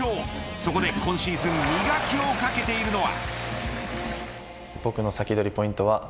そこで今シーズン磨きをかけているのは。